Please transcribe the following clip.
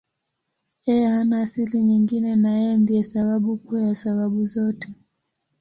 Yeye hana asili nyingine na Yeye ndiye sababu kuu ya sababu zote.